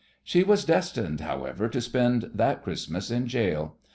She was destined, however, to spend that Christmas in gaol.